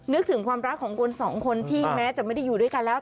นึกถึงความรักของคนสองคนที่แม้จะไม่ได้อยู่ด้วยกันแล้ว